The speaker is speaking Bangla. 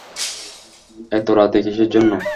এত রাতে কীসের জন্য?